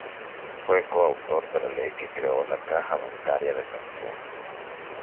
Fue coautor de la ley que creó la Caja Bancaria de Pensiones.